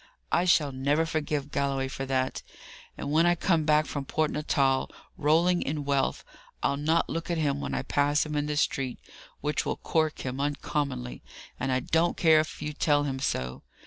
I shall never forgive Galloway for that! and when I come back from Port Natal, rolling in wealth, I'll not look at him when I pass him in the street, which will cork him uncommonly, and I don't care if you tell him so.